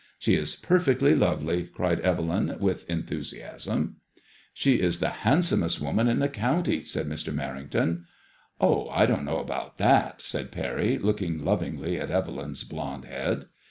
" She is perfectly lovely," cried Evelyn, with enthusiasm. MADIMOISSLLK IX&. II *^ She is the handsomest woman in the county/' said Mr. Merring ton. " Oh, I don't know about that," said Pany, looking lovingly at Evelyn's blonde head.